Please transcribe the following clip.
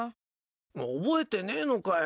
覚えてねえのかよ。